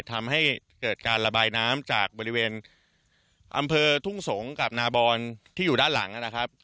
ทำให้เกิดการระบายน้ำจากบริเวณอำเภอทุ่งสงศ์กับนาบอนที่อยู่ด้านหลังนะครับ